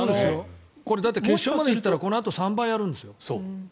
だって決勝まで行ったらこれの３倍やるんですよ。